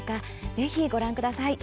ぜひご覧ください。